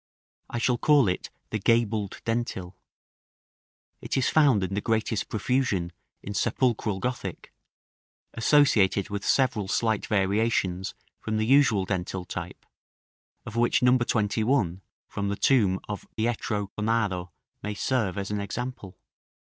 I shall call it the gabled dentil. It is found in the greatest profusion in sepulchral Gothic, associated with several slight variations from the usual dentil type, of which No. 21, from the tomb of Pietro Cornaro, may serve as an example.